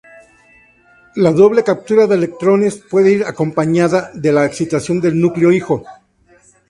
La doble captura de electrones puede ir acompañada de la excitación del núcleo hijo.